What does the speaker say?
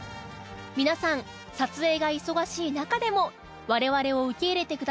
皆さん撮影が忙しい中でも我々を受け入れてくださったおかげで